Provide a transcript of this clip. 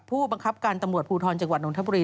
ผู้บังคับการตำรวจภูทรจังหวัดนทบุรี